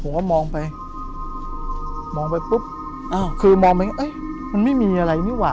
ผมก็มองไปมองไปปุ๊บอ้าวคือมองไปมันไม่มีอะไรนี่ว่